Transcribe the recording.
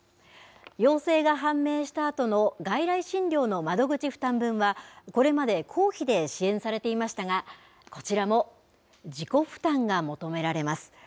陽性が判明したあとの外来診療の窓口負担分は、これまで公費で支援されていましたが、こちらも自己負担が求められます。